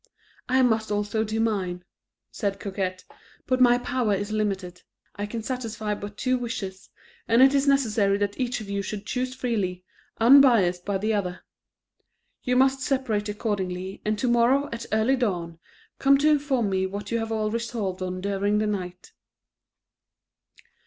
"I must also do mine," said Coquette, "but my power is limited. I can satisfy but two wishes, and it is necessary that each of you should choose freely, unbiased by the other. You must separate accordingly, and to morrow at early dawn, come to inform me what you have all resolved on during the night."